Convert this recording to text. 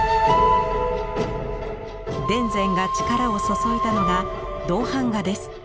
田善が力を注いだのが銅版画です。